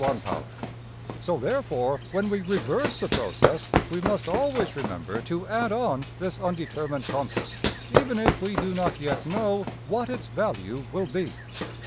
\] So, therefore, when we reverse the process we must always remember to add on this undetermined constant, even if we do not yet know what its value will be.